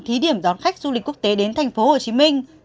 thí điểm đón khách du lịch quốc tế đến tp hcm